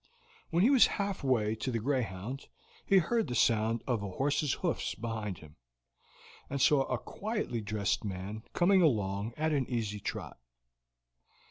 When he was halfway to the Greyhound he heard the sound of a horse's hoofs behind him, and saw a quietly dressed man coming along at an easy trot.